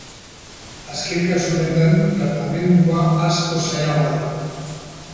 Azken kasu honetan tratamendua askoz zailagoa da.